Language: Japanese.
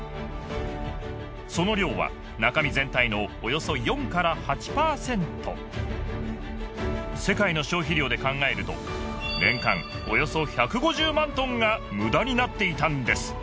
その量は中身全体のおよそ４８％世界の消費量で考えると年間およそ１５０万トンが無駄になっていたんです！